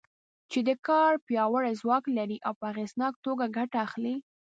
چې د کار پیاوړی ځواک لري او په اغېزناکه توګه ګټه اخلي.